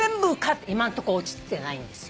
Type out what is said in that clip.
今のとこ落ちてないんですよ。